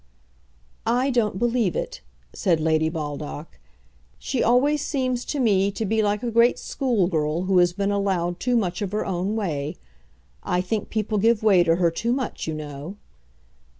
"I don't believe it," said Lady Baldock. "She always seems to me to be like a great schoolgirl who has been allowed too much of her own way. I think people give way to her too much, you know."